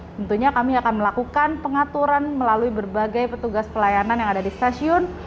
tentunya kami akan melakukan pengaturan melalui berbagai petugas pelayanan yang ada di stasiun